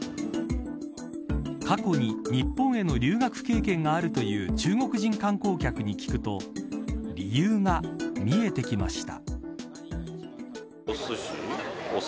過去に日本への留学経験があるという中国人観光客に聞くと理由が見えてきました。